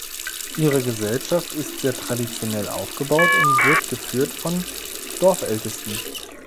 Ihre Gesellschaft ist sehr traditionell aufgebaut und wird geführt von Dorfältesten.